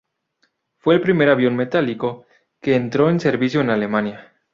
Fue el primer avión metálico que entró en servicio en Alemania.